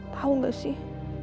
tahu gak sih